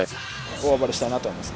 大暴れしたいなと思います。